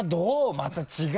また違う。